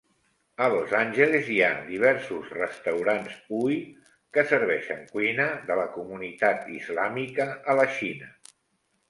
A Los Angeles hi ha diversos restaurants "hui" que serveixen cuina de la comunitat islàmica a la Xina.